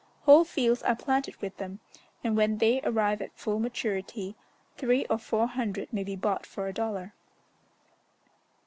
Whole fields are planted with them, and when they arrive at full maturity, three or four hundred may be bought for a dollar.